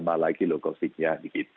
lebih lama lagi loh covid nya